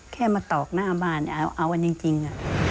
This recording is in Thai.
แค่มาตอกหน้าบ้านเอากันจริง